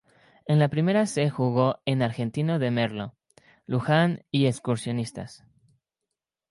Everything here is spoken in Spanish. En la Primera C jugó en Argentino de Merlo, Luján y Excursionistas.